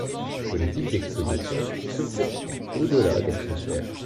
Cette politique d'expositions se poursuit au-delà des frontières.